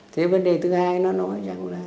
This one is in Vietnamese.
thế vấn đề thứ hai nó nói rằng là